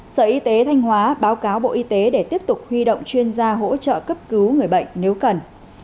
sở y tế thanh hóa báo cáo bộ y tế để tiếp tục huy động chuyên gia hỗ trợ cấp cứu người bệnh nếu cần